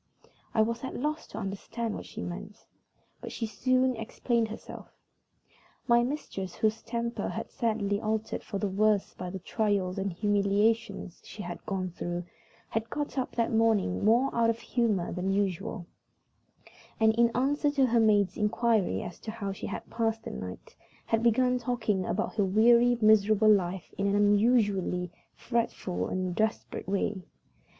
I was at a loss to understand what she meant, but she soon explained herself. My mistress, whose temper had been sadly altered for the worse by the trials and humiliations she had gone through, had got up that morning more out of humor than usual, and, in answer to her maid's inquiry as to how she had passed the night, had begun talking about her weary, miserable life in an unusually fretful and desperate way.